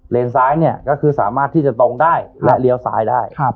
ซ้ายเนี่ยก็คือสามารถที่จะตรงได้และเลี้ยวซ้ายได้